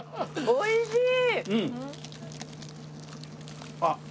おいしい！